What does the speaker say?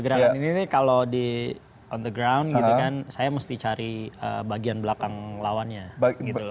gerakan ini kalau di on the ground gitu kan saya mesti cari bagian belakang lawannya gitu loh